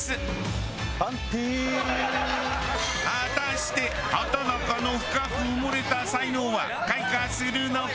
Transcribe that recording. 果たして畠中の深く埋もれた才能は開花するのか！？